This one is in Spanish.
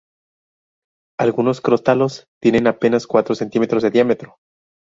Algunos crótalos tienen apenas cuatro centímetros de diámetro.